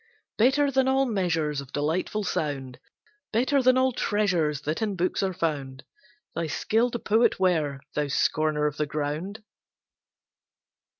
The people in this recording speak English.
Better than all measures Of delightful sound, Better than all treasures That in books are found, Thy skill to poet were, thou scorner of the ground!